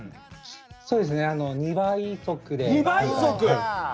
そうですね２倍速で今回はい。